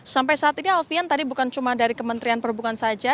sampai saat ini alfian tadi bukan cuma dari kementerian perhubungan saja